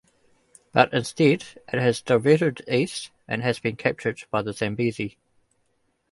But instead it has diverted east and has been captured by the Zambezi.